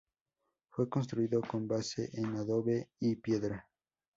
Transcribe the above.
Fue construido con base en adobe y piedra.